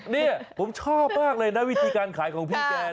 นี่ผมชอบมากเลยนะวิธีการขายของพี่แก